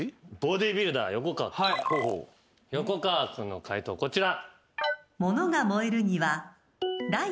横川君の解答こちら。